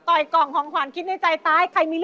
ต่อยกล่องของขวานคิดในใจตาย